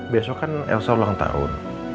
besok kan elsa ulang tahun